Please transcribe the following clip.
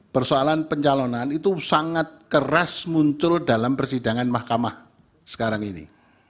persoalan pencalonan itu sangat keras muncul dalam persidangan mahkamah sekarang ini